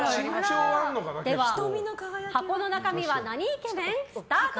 では箱の中身はなにイケメン？スタート。